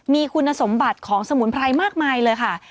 มีคุณสมบัติของสมุนไพรมากมายเลยค่ะ